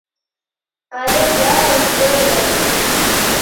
Ara hi ha un John Lewis.